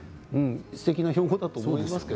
すてきな標語だと思いますよ。